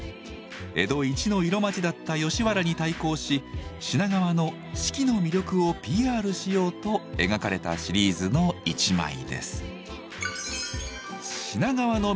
江戸一の色街だった吉原に対抗し品川の四季の魅力をＰＲしようと描かれたシリーズの一枚です。